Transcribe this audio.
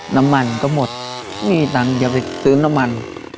น้ำมันก็หมดมีตังค์จะไปซื้อน้ำมัน